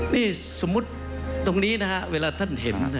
นี่สมมุติตรงนี้นะฮะเวลาท่านเห็น